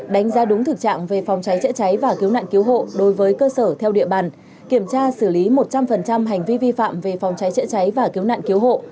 đánh giá đúng thực trạng về phòng cháy chữa cháy và cứu nạn cứu hộ đối với cơ sở theo địa bàn kiểm tra xử lý một trăm linh hành vi vi phạm về phòng cháy chữa cháy và cứu nạn cứu hộ